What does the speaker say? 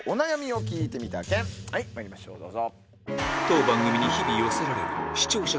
まいりましょうどうぞ。